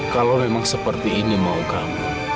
kalau memang seperti ini mau kamu